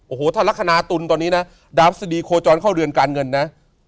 โอ้โหถ้าลักษณะตุลตอนนี้นะดาวพฤษฎีโคจรเข้าเรือนการเงินนะ